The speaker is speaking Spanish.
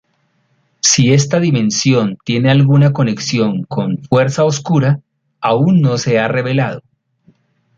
Si esta dimensión tiene alguna conexión con Fuerza Oscura, aún no se ha revelado.